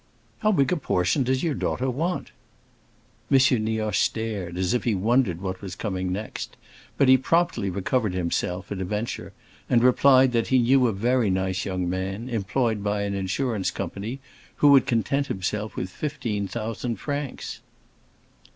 "How big a portion does your daughter want?" M. Nioche stared, as if he wondered what was coming next; but he promptly recovered himself, at a venture, and replied that he knew a very nice young man, employed by an insurance company, who would content himself with fifteen thousand francs.